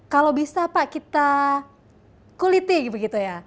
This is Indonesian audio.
kalau bisa pak kita kuliti begitu ya